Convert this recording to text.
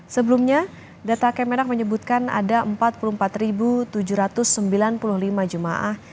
sebelumnya data kemenak menyebutkan ada empat puluh empat tujuh ratus sembilan puluh lima jemaah